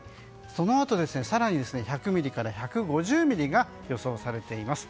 そのあと、更に１００ミリから１５０ミリが予想されています。